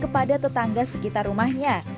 untuk tangga sekitar rumahnya